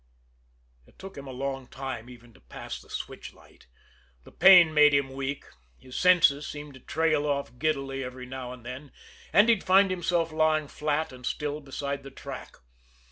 It took him a long time even to pass the switch light. The pain made him weak, his senses seemed to trail off giddily every now and then, and he'd find himself lying flat and still beside the track.